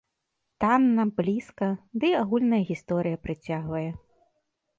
Танна, блізка, дый агульная гісторыя прыцягвае.